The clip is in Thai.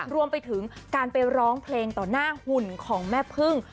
รวมไปถึงการไปร้องเพลงต่อหน้าหุ่นของแม่พึ่ง